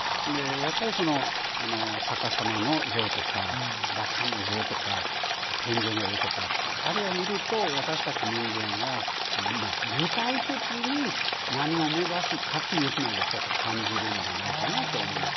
お釈迦様の像とか羅漢の像とかそれから天井の絵とかあれを見ると私たち人間は具体的に何を目指すかというのが感じるんじゃないかと思います。